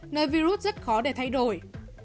nơi virus rất khó để thay đổi